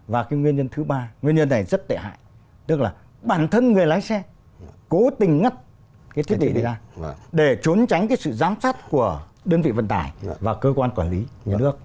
và cái nguyên nhân thứ ba nguyên nhân này rất để hại tức là bản thân người lái xe cố tình ngắt cái thiết bị này ra để trốn tránh cái sự giám sát của đơn vị vận tải và cơ quan quản lý nhà nước